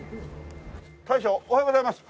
大将おはようございます。